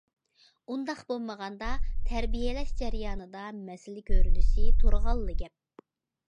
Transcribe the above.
ئۇنداق بولمىغاندا، تەربىيەلەش جەريانىدا مەسىلە كۆرۈلۈشى تۇرغانلا گەپ.